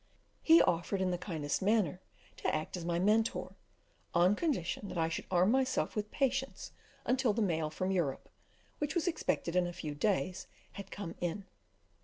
He offered, in the kindest manner, to act as my Mentor, on condition that I should arm myself with patience until the mail from Europe, which was expected in a few days, had come in.